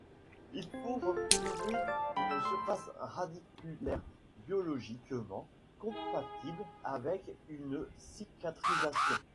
Il faut retrouver une surface radiculaire biologiquement compatible avec une cicatrisation.